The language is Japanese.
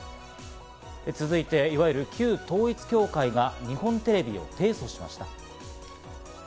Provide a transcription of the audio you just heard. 続いて、いわゆる旧統一教会が日本テレビを提訴しました。